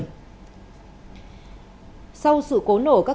sau sự cố nổ các công nhân bị thương do văng kính đổ cửa vào người